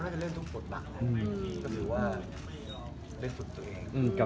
ไม่เห็นไหมละ